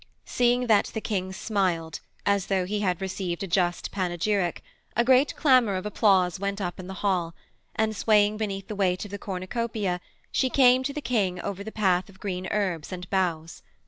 Seeing that the King smiled, as though he had received a just panegyric, a great clamour of applause went up in the hall, and swaying beneath the weight of the cornucopia she came to the King over the path of green herbs and boughs.